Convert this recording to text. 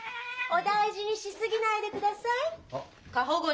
お大事にし過ぎないでください。